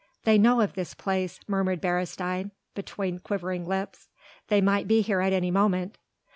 "They know of this place," murmured Beresteyn between quivering lips, "they might be here at any moment."